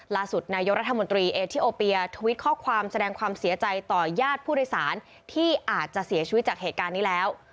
นายกรัฐมนตรีเอทิโอเปียทวิตข้อความแสดงความเสียใจต่อญาติผู้โดยสารที่อาจจะเสียชีวิตจากเหตุการณ์นี้แล้ว